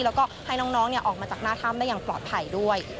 แล้วก็ให้น้องออกมาจากหน้าถ้ำได้อย่างปลอดภัยด้วย